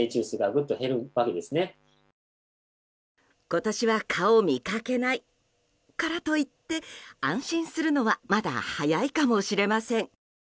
今年は蚊を見かけないからといって安心するのはまだ早いかもしれません。